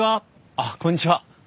あっこんにちは。